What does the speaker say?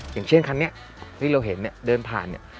อย่างเช่นคันนี้ที่เราเห็นเดินผ่าน